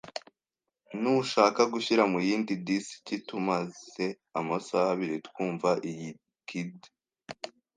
Ntushaka gushyira muyindi disiki? Tumaze amasaha abiri twumva iyi. (qdii)